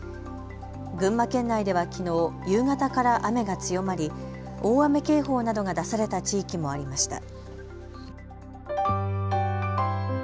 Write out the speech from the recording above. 群馬県内ではきのう夕方から雨が強まり大雨警報などが出された地域もありました。